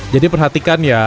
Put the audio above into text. jadi perhatikan ya